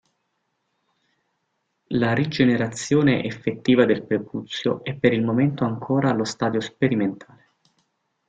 La rigenerazione effettiva del prepuzio è per il momento ancora allo stadio sperimentale.